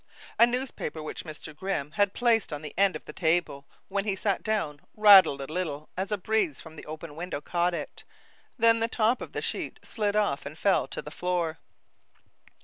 A newspaper which Mr. Grimm had placed on the end of the table when he sat down, rattled a little as a breeze from the open window caught it, then the top sheet slid off and fell to the floor.